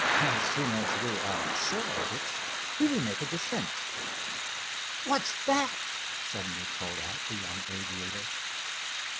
"As soon as we are sure of it, we will make a descent." "What's that?" suddenly called out the young aviator.